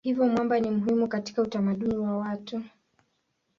Hivyo mwamba ni muhimu katika utamaduni wa watu.